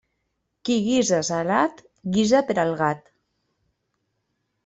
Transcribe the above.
Qui guisa salat, guisa per al gat.